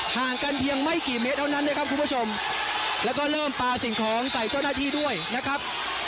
ห่างกันเพียงไม่กี่เมตรเท่านั้นนะครับคุณผู้ชมแล้วก็เริ่มปลาสิ่งของใส่เจ้าหน้าที่ด้วยนะครับ